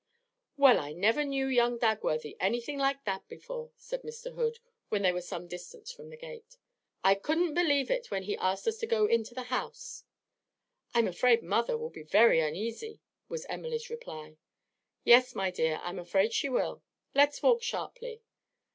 'Well, I never knew young Dagworthy anything like that before,' said Mr. Hood, when they were at some distance from the gate. 'I couldn't believe it when he asked us to go into the house.' 'I'm afraid mother will be very uneasy,' was Emily's reply. 'Yes, my dear, I'm afraid she will; let's walk sharply.